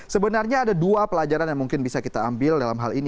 sebenarnya ada dua pelajaran yang mungkin bisa kita ambil dalam hal ini